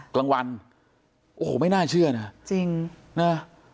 กลางวันโอ้โหไม่น่าเชื่อนะจริงนะ